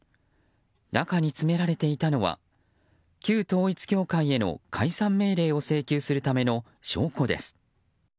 中に詰められていたのは旧統一教会への解散命令を請求するための証拠です。